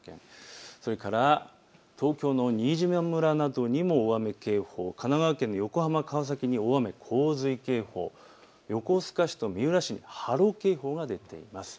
それから東京の新島村にも大雨警報、神奈川県の横浜、川崎に大雨洪水警報、横須賀市と三浦市に波浪警報が出ています。